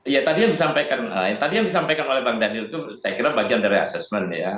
ya tadi yang disampaikan tadi yang disampaikan oleh bang daniel itu saya kira bagian dari assessment ya